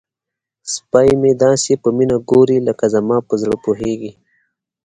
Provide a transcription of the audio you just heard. سپی مې داسې په مینه ګوري لکه زما په زړه پوهیږي.